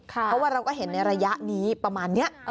เพราะว่าเราก็เห็นในระยะนี้ประมาณนี้